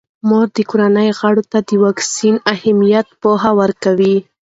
مور د کورنۍ غړو ته د واکسین اهمیت پوهه ورکوي.